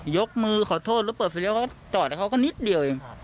ยกมือขอโทษแล้วเปิดเสียงแล้วจอดให้เขาก็นิดเดียวเอง